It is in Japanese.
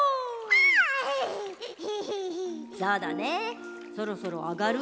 そうだねそろそろあがる？